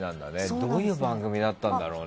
どういう番組だったんだろうね。